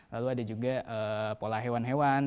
lalu ada juga pola hewan hewan